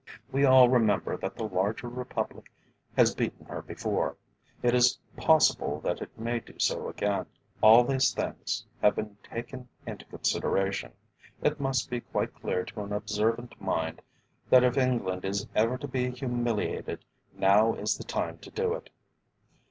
We all remember that the larger Republic has beaten her before: it is possible that it may do so again. All these things having been taken into consideration, it must be quite clear to an observant mind that if England is ever to be humiliated, now is the time to do it.